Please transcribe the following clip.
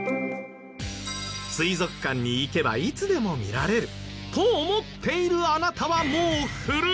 水族館に行けばいつでも見られると思っているあなたはもう古い！